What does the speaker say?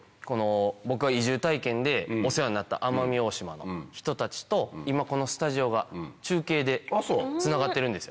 僕が移住体験でお世話になった奄美大島の人たちと今このスタジオが中継でつながってるんですよ。